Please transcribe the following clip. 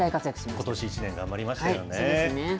ことし一年、頑張りましたよね。